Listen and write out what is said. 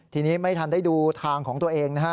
ทีนี้ไม่ทันได้ดูทางของตัวเองนะฮะ